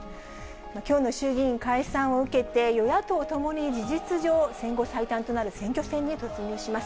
きょうの衆議院解散を受けて、与野党ともに事実上、戦後最短となる選挙戦に突入します。